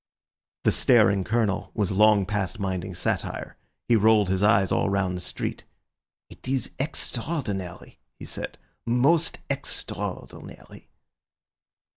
The staring Colonel was long past minding satire. He rolled his eyes all round the street. "It is extraordinary," he said, "most extraordinary."